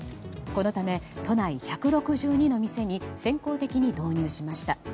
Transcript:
このため、都内１６２の店に先行的に導入しました。